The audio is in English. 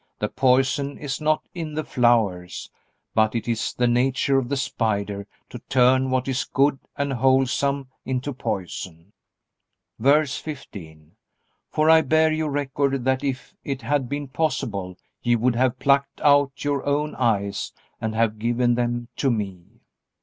The poison is not in the flowers, but it is the nature of the spider to turn what is good and wholesome into poison. VERSE 15. For I bear you record, that, if it had been possible, ye would have plucked out your own eyes, and have given them to me.